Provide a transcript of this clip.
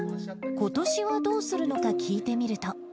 ことしはどうするのか聞いてみると。